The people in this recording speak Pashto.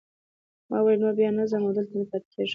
ما وویل نو بیا نه ځم او دلته پاتې کیږم.